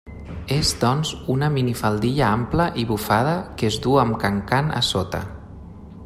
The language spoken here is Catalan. És, doncs, una minifaldilla ampla i bufada que es duu amb cancan a sota.